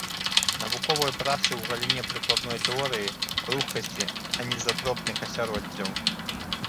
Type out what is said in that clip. Навуковыя працы ў галіне прыкладной тэорыі пругкасці анізатропных асяроддзяў.